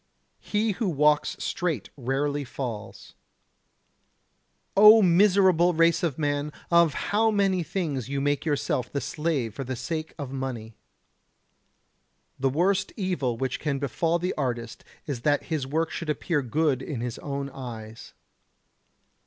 He who walks straight rarely falls. O miserable race of man! of how many things you make yourself the slave for the sake of money! The worst evil which can befall the artist is that his work should appear good in his own eyes.